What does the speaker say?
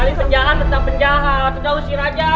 kalim penjahat betap penjaha atau tau si raja